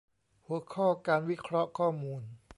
หัวข้อการวิเคราะห์ข้อมูล